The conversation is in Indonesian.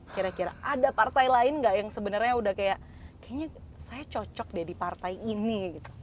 kira kira ada partai lain gak yang sebenarnya udah kayak kayaknya saya cocok deh di partai ini gitu